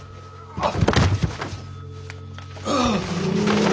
あっ。